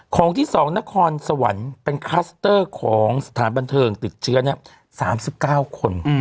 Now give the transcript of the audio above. ของที่๒นครสวรรค์เป็นคลัสเตอร์ของสถานบันเทิงติดเชื้อ๓๙คน